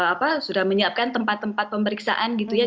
apa sudah menyiapkan tempat tempat pemeriksaan gitu ya